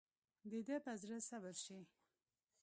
دده به زړه صبر شي.